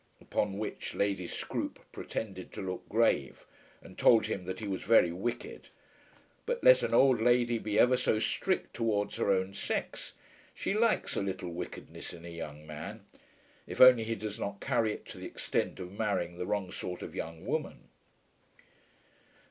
Upon which Lady Scroope pretended to look grave, and told him that he was very wicked. But let an old lady be ever so strict towards her own sex, she likes a little wickedness in a young man, if only he does not carry it to the extent of marrying the wrong sort of young woman.